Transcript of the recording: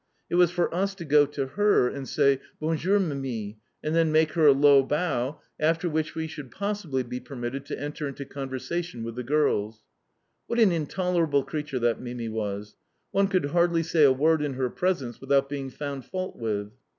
It was for us to go to her and say, "Bon jour, Mimi," and then make her a low bow; after which we should possibly be permitted to enter into conversation with the girls. What an intolerable creature that Mimi was! One could hardly say a word in her presence without being found fault with.